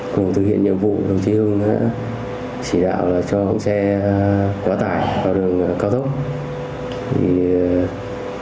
cùng thực hiện nhiệm vụ đồng chí hưng đã chỉ đạo cho xe quá tải vào đường cao tốc